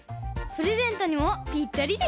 プレゼントにもぴったりでしょ？